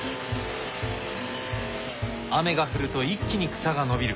雨が降ると一気に草が伸びる。